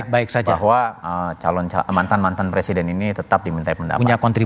bahwa mantan mantan presiden ini tetap diminta pendapat